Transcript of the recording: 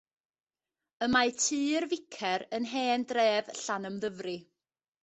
Y mae Tŷ'r Ficer yn hen dref Llanymddyfri.